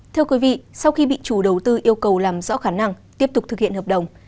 thưa quý vị sau khi bị chủ đầu tư yêu cầu làm rõ khả năng tiếp tục thực hiện hợp đồng